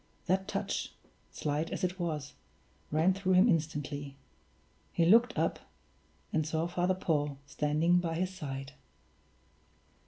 That touch, slight as it was, ran through him instantly. He looked up, and saw Father Paul standing by his side.